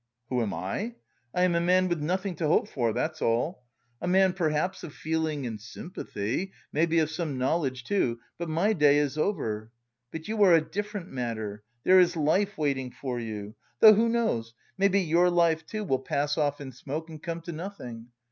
"Who am I? I am a man with nothing to hope for, that's all. A man perhaps of feeling and sympathy, maybe of some knowledge too, but my day is over. But you are a different matter, there is life waiting for you. Though, who knows? maybe your life, too, will pass off in smoke and come to nothing.